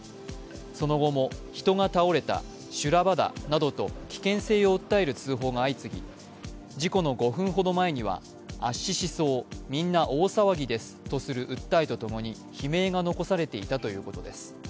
その後も、人が倒れた修羅場だなどと危険性を訴える通報が相次ぎ事故の５分ほど前には圧死しそう、みんな大騒ぎですとする訴えとともに悲鳴が残されていたということです。